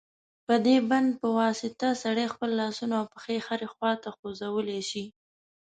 په دې بند په واسطه سړی خپل لاسونه او پښې هرې خواته خوځولای شي.